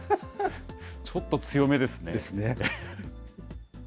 ちょっと強めですね。ですね。